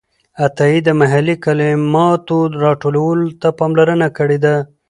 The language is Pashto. عطايي د محلي کلماتو راټولولو ته پاملرنه کړې ده.